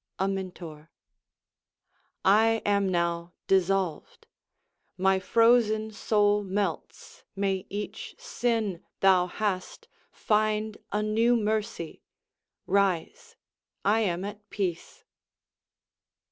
Amintor I am now dissolved: My frozen soul melts. May each sin thou hast, Find a new mercy! Rise; I am at peace.